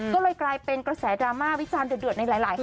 ก็เลยกลายเป็นกระแสดราม่าวิจารณ์เดือดในหลายครั้งครับคุณ